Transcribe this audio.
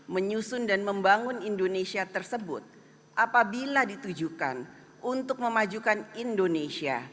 menyusun dan membangun indonesia tersebut apabila ditujukan untuk memajukan indonesia maka arah dari